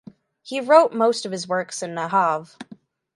He wrote most of his works in Najaf.